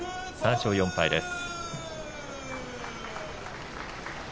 ３勝４敗です。